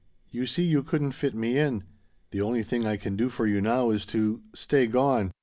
You see you couldn't fit me in. The only thing I can do for you now is to stay gone.